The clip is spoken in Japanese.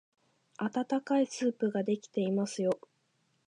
あたたかいスープができていますよ。